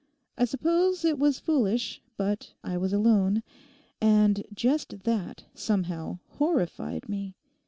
I suppose it was foolish, but I was alone, and just that, somehow, horrified me.